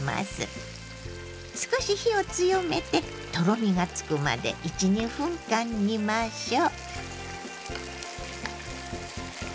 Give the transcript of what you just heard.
少し火を強めてとろみがつくまで１２分間煮ましょう。